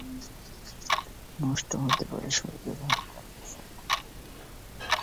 নষ্ট হতে পারে শরীরের হরমোনের ভারসাম্য।